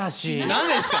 何でですか。